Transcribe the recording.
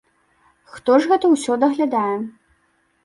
Хто ж гэта ўсё даглядае?